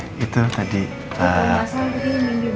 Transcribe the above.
h jill tadi akan dividend luminat